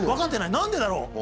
何でだろう？